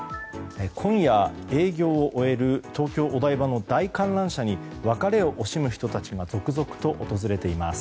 今夜営業を終える東京・お台場の大観覧車に別れを惜しむ人たちが続々と訪れています。